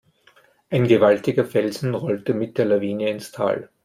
Ein gewaltiger Felsen rollte mit der Lawine ins Tal.